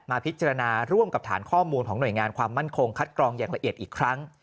พิจารณาร่วมกับฐานข้อมูลของหน่วยงานความมั่นคงคัดกรองอย่างละเอียดอีกครั้ง